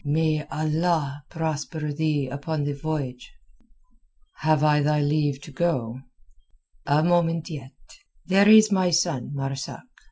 "May Allah prosper thee upon the voyage." "Have I thy leave to go?" "A moment yet. There is my son Marzak.